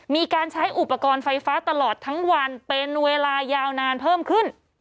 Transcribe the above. มีการใช้อุปกรณ์ไฟฟ้าตลอดทั้งวันเป็นเวลายาวนานเพิ่มขึ้น